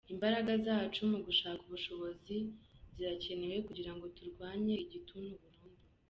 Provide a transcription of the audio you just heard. Imbaraga zacu mu gushaka ubushobozi zirakenewe kugira ngo turwanye igituntu burundu”.